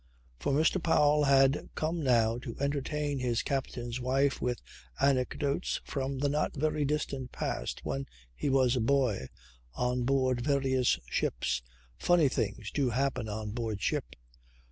For Mr. Powell had come now to entertain his captain's wife with anecdotes from the not very distant past when he was a boy, on board various ships, funny things do happen on board ship.